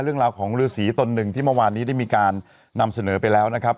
เรื่องราวของฤษีตนหนึ่งที่เมื่อวานนี้ได้มีการนำเสนอไปแล้วนะครับ